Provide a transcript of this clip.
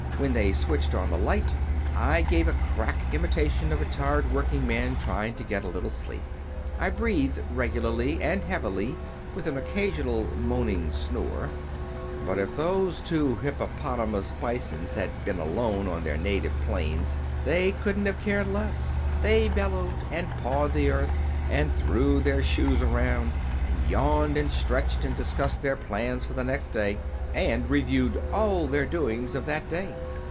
When they switched on the light I gave a crack imitation of a tired working man trying to get a little sleep. I breathed regularly and heavily, with an occasional moaning snore. But if those two hippopotamus Bisons had been alone on their native plains they couldn't have cared less. They bellowed, and pawed the earth, and threw their shoes around, and yawned, and stretched and discussed their plans for the next day, and reviewed all their doings of that day.